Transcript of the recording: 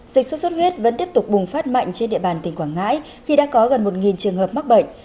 dịch sốt xuất huyết vẫn tiếp tục bùng phát mạnh trên địa bàn tỉnh quảng ngãi khi đã có gần một trường hợp mắc bệnh